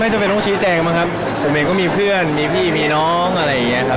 จำเป็นต้องชี้แจงบ้างครับผมเองก็มีเพื่อนมีพี่มีน้องอะไรอย่างเงี้ยครับ